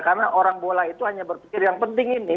karena orang bola itu hanya berpikir yang penting ini